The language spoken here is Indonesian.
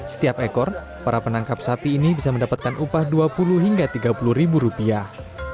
setiap ekor para penangkap sapi ini bisa mendapatkan upah dua puluh hingga tiga puluh ribu rupiah